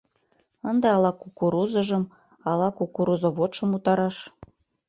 Ынде ала кукурузыжым ала кукурузоводшым утараш.